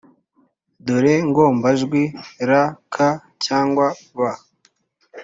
dore ngombajwi r, k cyangwa b